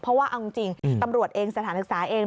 เพราะว่าเอาจริงตำรวจเองสถานศึกษาเอง